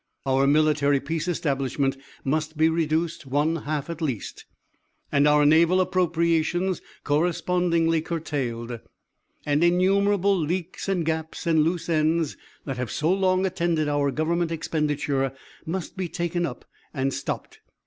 Our Military peace establishment must be reduced one half at least, and our Naval appropriations correspondingly curtailed; and innumerable leaks and gaps and loose ends, that have so long attended our government expenditure, must be taken up and stopped.